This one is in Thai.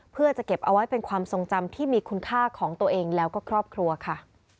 เพื่อจะเก็บเอาไว้เป็นความทรงจำที่มีคุณค่าของตัวเองแล้วก็ครอบครัวค่ะ